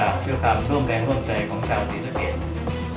ด้วยความร่มแรงร่วมใจของชาวศรีสะเกียจ